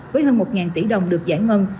với hơn một tỷ đồng được giải ngân